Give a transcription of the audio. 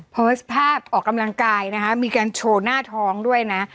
โพสต์ภาพออกกำลังกายนะคะมีการโชว์หน้าท้องด้วยนะ